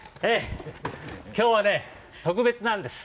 今日はね、特別なんです。